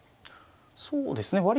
そうですね